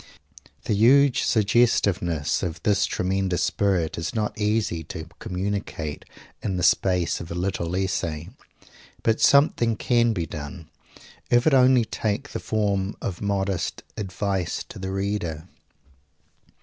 The huge suggestiveness of this tremendous spirit is not easy to communicate in the space of a little essay. But something can be done, if it only take the form of modest "advice to the reader."